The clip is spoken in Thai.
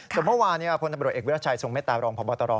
สมมุติว่าพนธบรวจเอกวิทยาชายทรงแม่ตารองพบตร